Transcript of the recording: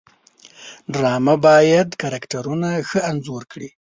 ډرامه باید کرکټرونه ښه انځور کړي